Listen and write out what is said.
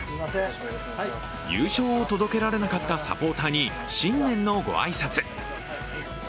優勝を届けられなかったサポーターに新年のご挨拶。